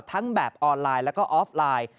แบบออนไลน์แล้วก็ออฟไลน์